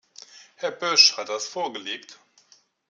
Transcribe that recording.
Herr Bösch hat das vorgelegt.